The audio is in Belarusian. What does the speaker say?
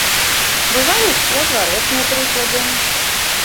Бываюць і адваротныя прыклады.